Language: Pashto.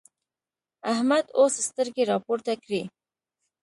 احمد اوس سترګې راپورته کړې.